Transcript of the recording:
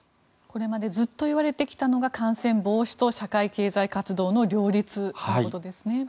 これまでずっといわれてきたのが感染防止と社会経済活動の両立ということですね。